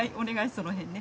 その辺ね。